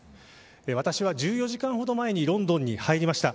私は１４時間ほど前にロンドンに入りました。